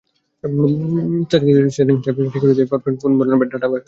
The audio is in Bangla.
সেটিংস ট্যাব থেকে ঠিক করে দিতে পারবেন কোন ধরনের ডেটা ব্যাকআপ করবেন।